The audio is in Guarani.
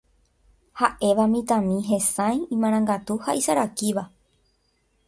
ha'éva mitãmimi hesãi, imarangatu ha isarakíva.